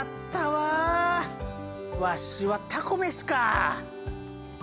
わしはたこ飯か！